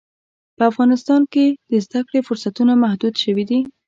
په افغانستان کې د زده کړې فرصتونه محدود شوي دي.